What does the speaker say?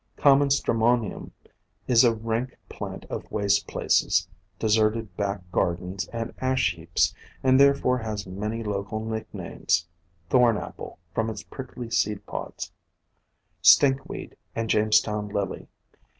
Common Stramo nium is a rank plant of waste places, deserted back gardens and ash heaps, and therefore has many local POISONOUS PLANTS 177 nicknames —Thorn apple, from its prickly seed pods, Stinkweed and Jamestown Lily.